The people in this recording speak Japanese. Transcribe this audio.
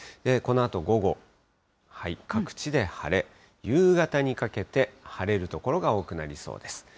このあと午後、各地で晴れ、夕方にかけて晴れる所が多くなりそうです。